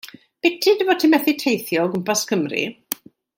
Piti dy fod di methu teithio o gwmpas Cymru.